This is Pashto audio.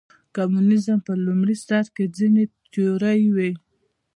کمونیزم په لومړي سر کې ځینې تیورۍ وې.